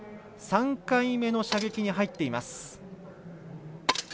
３回目の射撃に入っています。